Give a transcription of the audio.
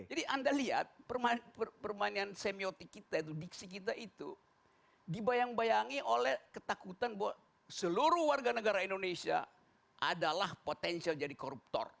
jadi anda lihat permainan semiotik kita itu diksi kita itu dibayang bayangi oleh ketakutan bahwa seluruh warga negara indonesia adalah potensial jadi koruptor